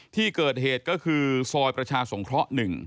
ที่เกิดเหตุก็คือซอยประชาสงเคราะห์๑